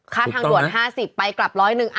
ทางด่วน๕๐ไปกลับร้อยหนึ่ง